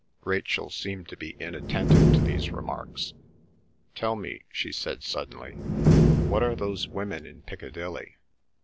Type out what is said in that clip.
Rachel seemed to be inattentive to these remarks. "Tell me," she said suddenly, "what are those women in Piccadilly?"